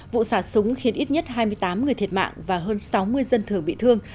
vụ xả súng khiến ít nhất hai mươi tám người thiệt mạng và hơn sáu mươi dân thường